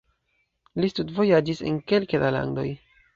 Li studvojaĝis en kelke da landoj.